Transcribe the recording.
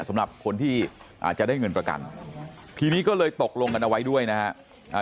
สำหรับคนที่อาจจะได้เงินประกันทีนี้ก็เลยตกลงกันเอาไว้ด้วยนะฮะ